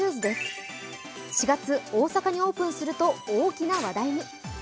４月、大阪にオープンすると大きな話題に。